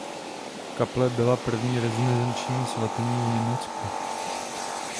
Kaple byla první renesanční svatyní v Německu.